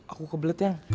aku kebelet ya